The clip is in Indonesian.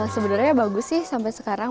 sebenarnya bagus sih sampai sekarang